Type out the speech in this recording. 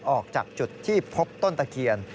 ออกจากจุดที่พบต้นตะเคียน